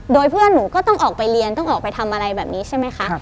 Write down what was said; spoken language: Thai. โดยเพื่อนหนูก็ต้องออกไปเรียนต้องออกไปทำอะไรแบบนี้ใช่ไหมคะ